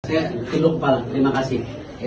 saya dilukpal terima kasih